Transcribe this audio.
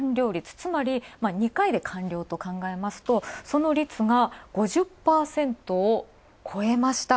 つまり２回で完了と考えますとその率が５０、２％を超えました。